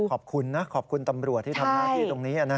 ขอบคุณนะขอบคุณตำรวจที่ทำหน้าที่ตรงนี้